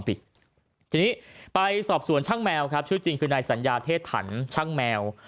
ทีนี้ไปสอบสวนช่างแมวครับชื่อจริงคือนายสัญญาเทศถันช่างแมว